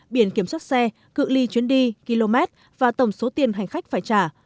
biển kiểm soát xe cự li chuyến đi km và tổng số tiền hành khách phải trả